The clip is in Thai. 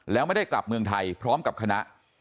แล้วไม่ได้กลับเมืองไทยพร้อมกับคณะ